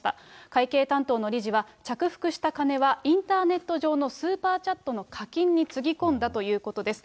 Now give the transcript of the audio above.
会計担当の理事は、着服した金はインターネット上のスーパーチャットの課金につぎ込んだということです。